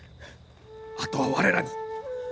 あとは我らに。